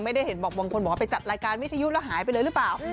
ไม่ได้เห็นบอกบางคนบอกว่าไปจัดรายการวิทยุแล้วหายไปเลยหรือเปล่า